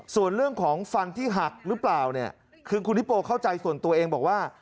ส่วนเรื่องของฟันที่หักหรือเปล่าเนี่ยคือคุณฮิโปเข้าใจส่วนตัวเองบอกว่า